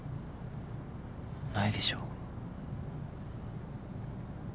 ないでしょ。